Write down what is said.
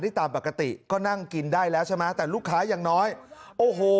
ตามปกติก็นั่งกินได้แล้วใช่ไหมแต่ลูกค้ายังน้อยโอ้โห